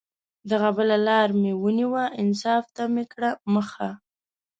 دغه بله لار مې ونیوه، انصاف ته مې کړه مخه